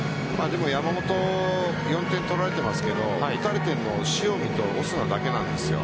でも山本４点取られていますが打たれているのは塩見とオスナだけなんですよ。